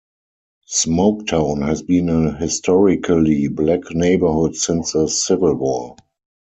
Smoketown has been a historically black neighborhood since the Civil War.